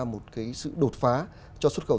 một sự đột phá cho xuất khẩu